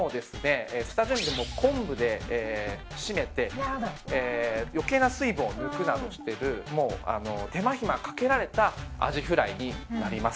下準備も昆布でしめて余計な水分を抜くなどしてるもう手間ひまかけられたアジフライになります。